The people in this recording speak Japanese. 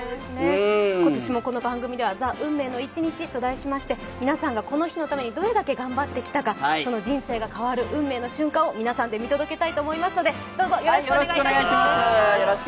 今年もこの番組では「ＴＨＥ運命の１日」と題しまして皆さんがこの日のためにどれだけ頑張ってきたか、その人生が変わる運命の瞬間を皆さんで見届けたいと思いますので、よろしくお願いします。